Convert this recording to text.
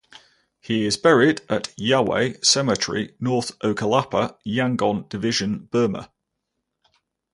He is buried at Yayway Cemetery, North Okkalapa, Yangon Division, Burma.